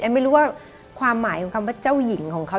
ไม่รู้ว่าความหมายของคำว่าเจ้าหญิงของเขา